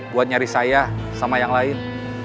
buat nyari saya sama yang lain